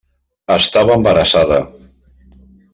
Estava embarassada.